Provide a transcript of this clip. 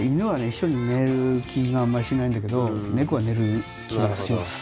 一緒に寝れる気があんまりしないんだけど猫は寝れる気がします。